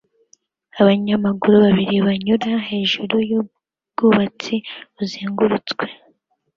Abanyamaguru babiri banyura hejuru yubwubatsi buzengurutswe